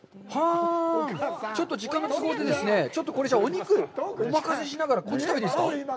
ちょっと時間の関係でちょっとこれ、お肉、お任せしながら、こっち食べていいですか？